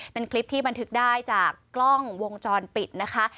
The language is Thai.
เป็นคลิปที่บันทึกได้จากกล้องวงจรปิดนะคะ